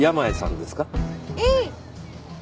うん！